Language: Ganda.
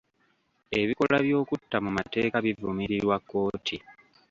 Ebikolwa by'okutta mu mateeka bivumirirwa kkooti.